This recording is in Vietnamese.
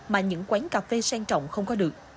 mà những quán cà phê sang trọng không có được